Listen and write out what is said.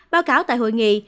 báo cáo tại hội nghị